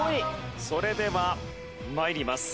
それでは参ります。